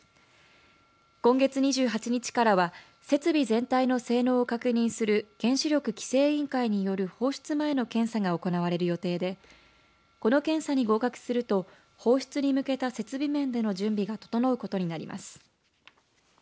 今月２８日からは設備全体の性能を確認する原子力規制委員会による放出前の検査が行われる予定でこの検査に合格すると放出に向けた設備面での準備が整うことになります。